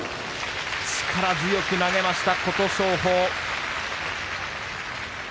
力強く投げました琴勝峰。